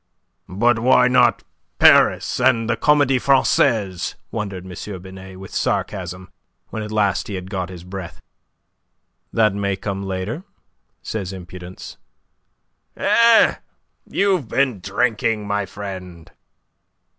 "But why not Paris and the Comedie Francaise?" wondered M. Binet, with sarcasm, when at last he had got his breath. "That may come later," says impudence. "Eh? You've been drinking, my friend."